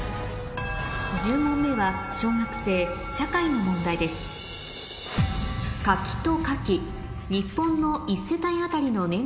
１０問目は小学生社会の問題ですはい。